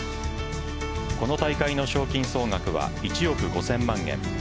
この大会の賞金総額は１億５０００万円。